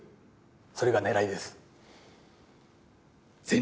それが狙いです。